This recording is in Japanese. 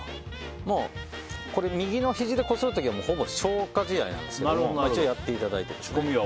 右のひじでこする時はほぼ消化試合なんですけど一応やっていただいて。